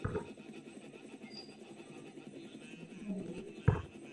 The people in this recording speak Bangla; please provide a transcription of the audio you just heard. সেই দেহকে বলে বাইওপ্লাজমিক বডি।